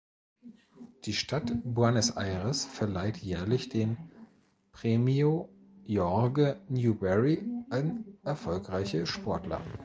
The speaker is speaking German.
Die Stadt Buenos Aires verleiht jährlich den "Premio Jorge Newbery" an erfolgreiche Sportler.